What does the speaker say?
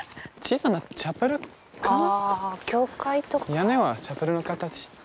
屋根はチャペルの形。